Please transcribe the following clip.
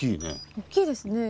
大きいですね。